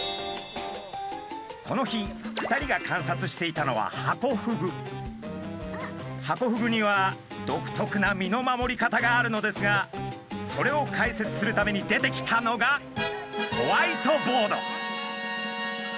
この日２人が観察していたのはハコフグには独特な身の守り方があるのですがそれを解説するために出てきたのがホワイトボード！